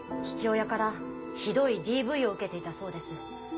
父親からひどいＤＶを受けていたそうです。